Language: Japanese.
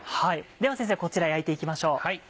ではこちら焼いて行きましょう。